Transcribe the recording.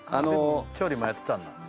調理もやってたんだ。